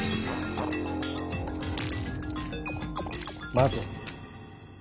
待て。